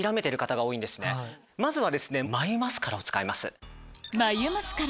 まずは。